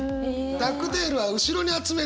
ダックテールは後ろに集めるけれど。